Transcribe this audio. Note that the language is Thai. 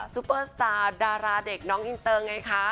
ซูเปอร์สตาร์ดาราเด็กน้องอินเตอร์ไงคะ